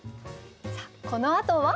さあこのあとは？